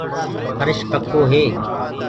ڦرش پڪو هي۔